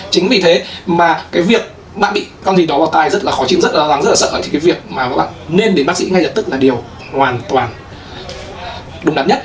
chính vì thế mà cái việc bạn bị con gì đó vào tai rất là khó chịu rất là ráng rất là sợ thì cái việc mà các bạn nên đến bác sĩ ngay lập tức là điều hoàn toàn đúng đắn nhất